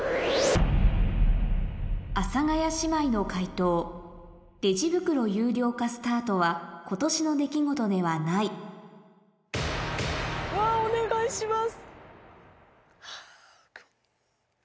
阿佐ヶ谷姉妹の解答レジ袋有料化スタートは今年の出来事ではないお願いします。